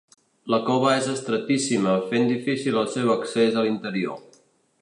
La cova és estretíssima fent difícil el seu accés a l'interior.